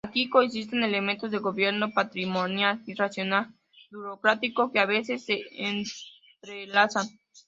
Aquí coexisten elementos de gobierno patrimonial y racional-burocrático que a veces se entrelazan.